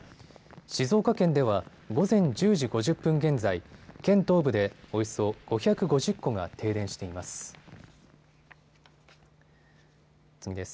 静岡県では午前１０時５０分現在、県東部でおよそ５５０戸が停電しています。